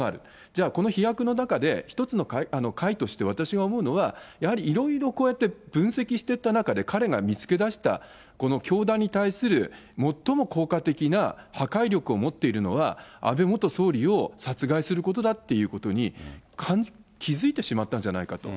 じゃあ、この飛躍の中で、一つの解として、私が思うのは、やはりいろいろこうやって分析していった中で、彼が見つけ出したこの教団に対する最も効果的な破壊力を持っているのは、安倍元総理を殺害することだっていうことに気付いてしまったんじゃないかと。